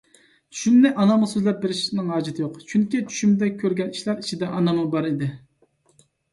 چۈشۈمنى ئانامغا سۆزلەپ بېرىشنىڭ ھاجىتى يوق، چۈنكى چۈشۈمدە كۆرگەن ئىشلار ئىچىدە ئاناممۇ بار ئىدى.